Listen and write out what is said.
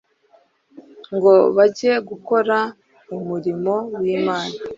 ngo bajye gukora umurimo wimana,